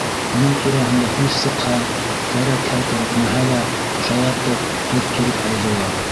Уның тураһында һүҙ сыҡһа, кәрәкһә-кәрәкмәһә лә шаяртып, төрттөрөп алдылар: